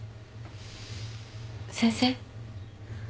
先生？